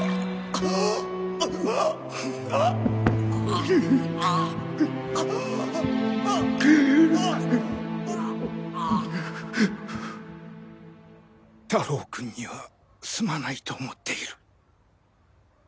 現在太郎君にはすまないと思っている。